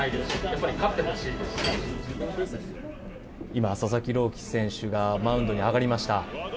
今、佐々木朗希選手がマウンドに上がりました。